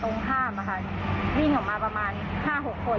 จัดกรมทหารสำตรงข้ามนะคะวิ่งออกมาประมาณห้าหกคน